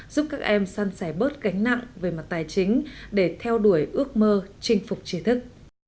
giúp các em săn sẻ bớt gánh nặng về mặt tài chính để theo đuổi ước mơ chinh phục trí thức